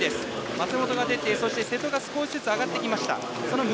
松本が出て、瀬戸が少しずつ上がってきました。